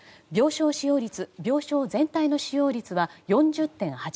病床使用率、病床全体の使用率は４０．８％。